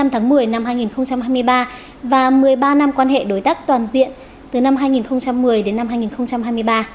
một mươi tháng một mươi năm hai nghìn hai mươi ba và một mươi ba năm quan hệ đối tác toàn diện từ năm hai nghìn một mươi đến năm hai nghìn hai mươi ba